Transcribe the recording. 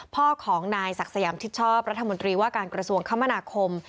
พ่อของนายศักดิ์สยามชิดชอบรัฐมนตรีว่าการกระทรวงคมนาคม